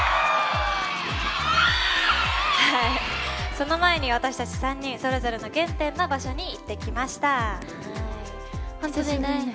その前に私たち３人それぞれの原点の場所に行ってきました。